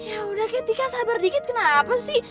yaudah ketika sabar dikit kenapa sih